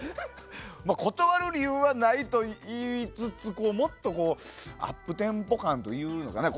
断る理由はないと言いつつもっとアップテンポ感というのかね。